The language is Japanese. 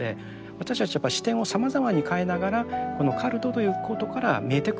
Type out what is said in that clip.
私たちは視点をさまざまに変えながらこのカルトということから見えてくる問題をですね